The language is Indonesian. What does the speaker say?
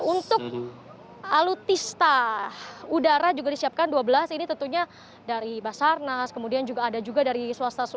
untuk alutista udara juga disiapkan dua belas ini tentunya dari basarnas kemudian juga ada juga dari swasta